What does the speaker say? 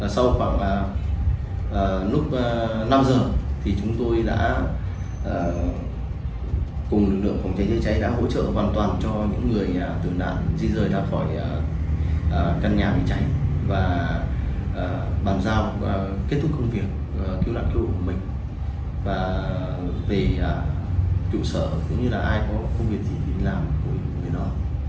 sau khoảng lúc năm giờ thì chúng tôi đã cùng lực lượng phòng cháy chế cháy đã hỗ trợ hoàn toàn cho những người tử nạn di rời đạp khỏi căn nhà bị cháy và bàn giao kết thúc công việc cứu nạn cứu của mình và về trụ sở cũng như là ai có công việc gì thì làm của người đó